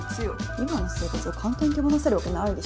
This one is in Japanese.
今の生活を簡単に手放せるわけないでしょ。